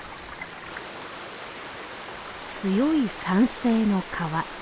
強い酸性の川。